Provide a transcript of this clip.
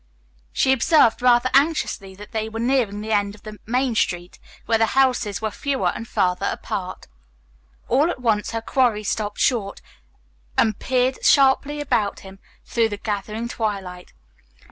She observed rather anxiously that they were nearing the end of Main Street, where the houses were fewer and farther apart. All at once her quarry stopped short and peered sharply about him through the gathering twilight.